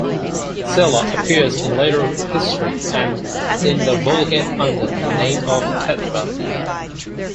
Sela appears in later history and in the Vulgate under the name of Petra.